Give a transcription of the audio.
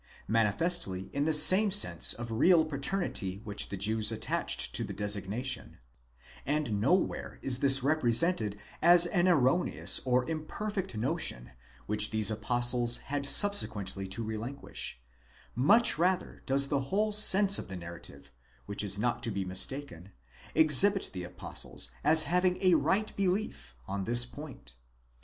46), manifestly in the same sense of real paternity which the Jews attached to the designation ; and nowhere is this represented as an erroneous or imperfect notion which these Apostles had subsequently to relinquish ; much rather does the whole sense of the narrative, which is not to be mistaken, exhibit the Apostles as having a right belief on this point.